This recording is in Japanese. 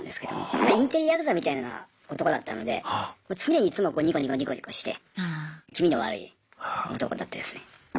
まあインテリやくざみたいな男だったので常にいつもニコニコニコニコして気味の悪い男だったですね。